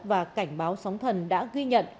và cảnh báo sóng thần đã ghi nhận